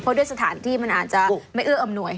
เพราะด้วยสถานที่มันอาจจะไม่เอื้ออำนวย